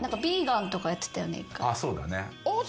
そうだね。